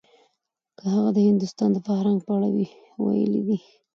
که هغه د هندوستان د فرهنګ په اړه وی ويلي دي.